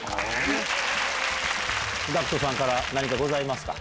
ＧＡＣＫＴさんから何かございますか？